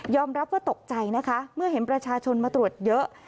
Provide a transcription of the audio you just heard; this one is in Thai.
รับว่าตกใจนะคะเมื่อเห็นประชาชนมาตรวจเยอะ